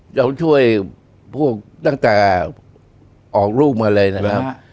เราช่วยพวกตั้งแต่ออกลูกมาเลยนะครับ